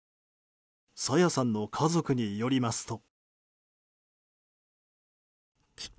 朝芽さんの家族によりますと。